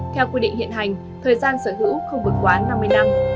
theo quy định hiện hành thời gian sở hữu không vượt quá năm mươi năm